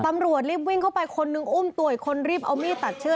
ตำรวจรีบวิ่งเข้าไปคนนึงอุ้มตัวอีกคนรีบเอามีดตัดเชือก